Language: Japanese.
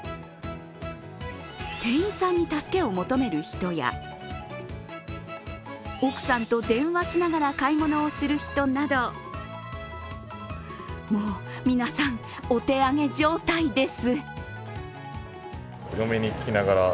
店員さんに助けを求める人や、奥さんと電話しながら買い物をする人など、もう、皆さん、お手上げ状態です。